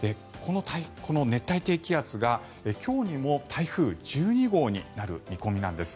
この熱帯低気圧が今日にも台風１２号になる見込みなんです。